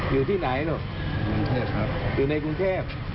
อยู่ในกรุงเทพ